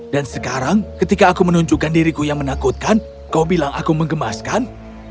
dan sekarang ketika aku menunjukkan diriku yang menakutkan kau bilang aku mengemaskan